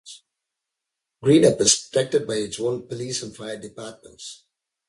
Greenup is protected by its own police and fire departments.